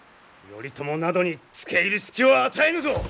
頼朝などにつけいる隙を与えぬぞ！